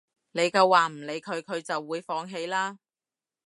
你夠話唔理佢，佢就會放棄啦